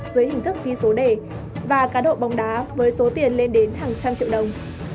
dưới hình thức ghi số đề và cá độ bóng đá với số tiền lên đến hàng trăm triệu đồng